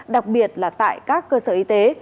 đặc biệt là tại các cơ sở y tế